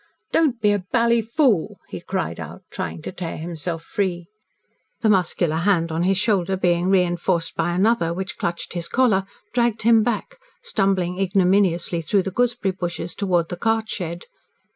"Don't be a bally fool!" he cried out, trying to tear himself free. The muscular hand on his shoulder being reinforced by another, which clutched his collar, dragged him back, stumbling ignominiously through the gooseberry bushes towards the cart shed.